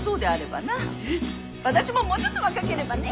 私ももうちょっと若ければねえ。